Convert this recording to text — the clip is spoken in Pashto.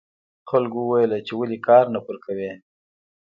خلکو وویل چې ولې کار نه پرې کوې.